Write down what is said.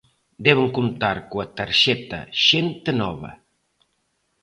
Deben contar coa Tarxeta Xente Nova.